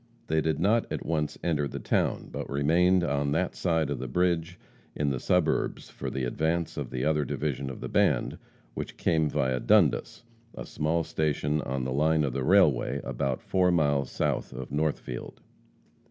They did not at once enter the town, but remained on that side of the bridge in the suburbs for the advance of the other division of the band, which came via Dundas, a small station on the line of the railway about four miles south of Northfield.